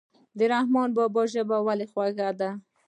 د رحمان بابا ژبه ولې خوږه ده.